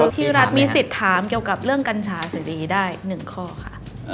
ที่รัฐมีสิทธิ์ถามเกี่ยวกับเรื่องกัญชาเสรีได้๑ข้อค่ะ